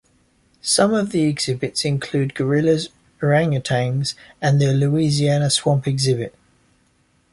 Some of the exhibits include gorillas, orangutans, and the Louisiana swamp exhibit.